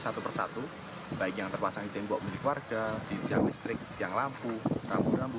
satu persatu baik yang terpasang di tembok milik warga di tiang listrik tiang lampu rambu rambu